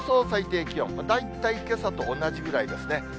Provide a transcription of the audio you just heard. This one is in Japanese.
最低気温、大体けさと同じぐらいですね。